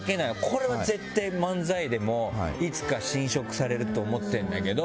これは絶対、漫才でもいつか侵食されると思ってるんだけど。